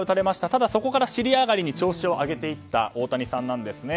ただ、そこから尻上がりに調子を上げていった大谷さんなんですね。